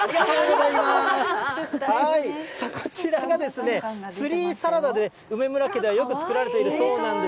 こちらがですね、ツリーサラダで、梅村家ではよく作られているそうなんです。